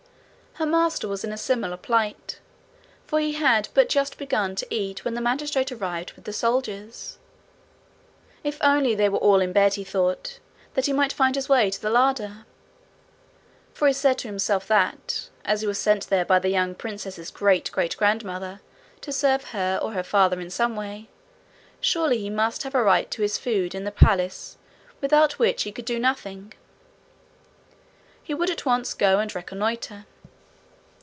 Her master was in a similar plight, for he had but just begun to eat when the magistrate arrived with the soldiers. If only they were all in bed, he thought, that he might find his way to the larder! For he said to himself that, as he was sent there by the young princess's great great grandmother to serve her or her father in some way, surely he must have a right to his food in the Palace, without which he could do nothing. He would go at once and reconnoitre.